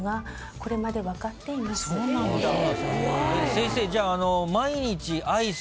先生じゃあ。